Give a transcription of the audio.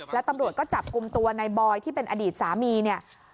แล้วตำรวจก็จับกลุ่มตัวในบอยที่เป็นอดีตสามีเนี่ย